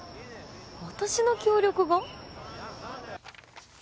私の協力が？